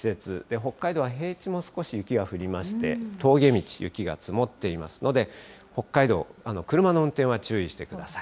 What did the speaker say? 北海道は平地も少し雪が降りまして、峠道、雪が積もっていますので、北海道、車の運転は注意してください。